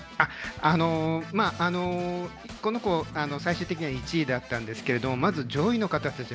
この子が最終的には１位だったんですけれどもまず上位の方たち